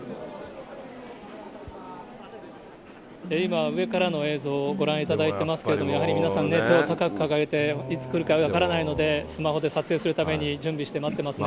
今、上からの映像をご覧いただいてますけれども、やはり皆さんね、手を高く掲げて、いつ来るか分からないので、スマホで撮影するために準備して待ってますね。